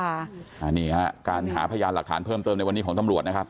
อันนี้ฮะการหาพยานหลักฐานเพิ่มเติมในวันนี้ของตำรวจนะครับ